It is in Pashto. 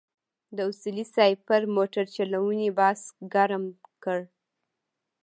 د اصولي صیب پر موټرچلونې بحث ګرم کړ.